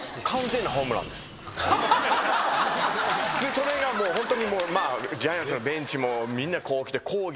それがホントにジャイアンツのベンチもみんなこう来て抗議になって。